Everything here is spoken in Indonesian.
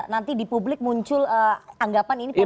nanti di publik muncul anggapan ini politik